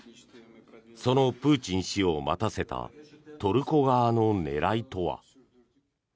そのプーチン氏を待たせたトルコ側の狙いとは。